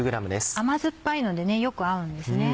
甘酸っぱいのでよく合うんですね。